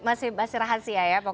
masih bahas rahasia ya pokoknya